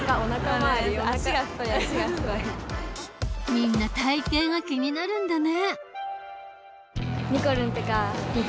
みんな体型が気になるんだね。